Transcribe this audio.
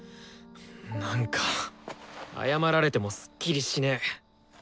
なんか謝られてもスッキリしねえ。